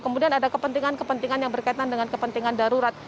kemudian ada kepentingan kepentingan yang berkaitan dengan kepentingan darurat